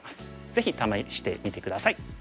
ぜひ試してみて下さい。